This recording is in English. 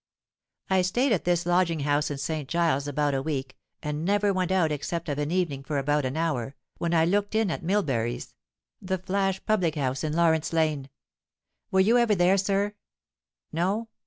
"I stayed at this lodging house in St. Giles's about a week, and never went out except of an evening for about an hour, when I looked in at Milberry's—the flash public house in Lawrence Lane. Were you ever there, sir? No.